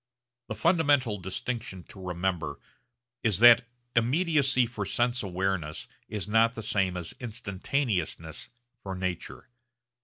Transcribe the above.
The fundamental distinction to remember is that immediacy for sense awareness is not the same as instantaneousness for nature.